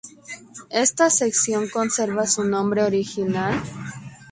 Esta sección conserva su nombre original.